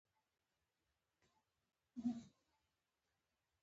بوټونه د دفتر د نظم برخه ده.